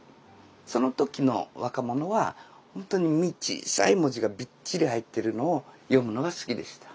その時の若者はほんとに小さい文字がびっちり入っているのを読むのが好きでした。